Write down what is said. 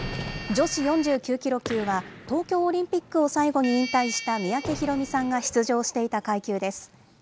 女子４９キロ級は、東京オリンピックを最後に引退した三宅宏実さんが出場していた階級です。